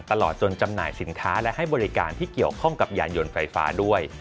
ตลอดจนจำหน่ายสินค้าและให้บริการที่เกี่ยวข้องกับยานยนต์ไฟฟ้าด้วย